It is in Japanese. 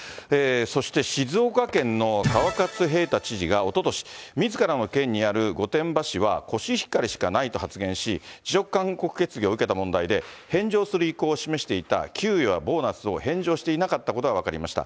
そして、静岡県の川勝平太知事がおととし、みずからの県にある御殿場市は、コシヒカリしかないと発言し、辞職勧告決議を受けた問題で、返上する意向を示していた給与やボーナスを返上していなかったことが分かりました。